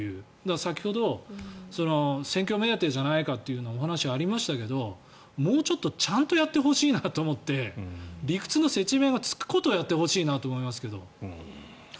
先ほど選挙目当てじゃないかというお話がありましたけどもうちょっとちゃんとやってほしいなと思って理屈の説明がつくことをやってほしいなと思いますが。